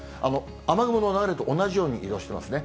雨雲の流れと同じように移動してますね。